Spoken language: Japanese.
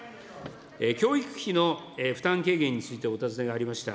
教育費の負担軽減についてお尋ねがありました。